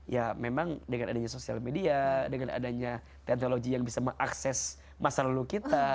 ya memang dengan adanya sosial media dengan adanya teknologi yang bisa mengakses masa lalu kita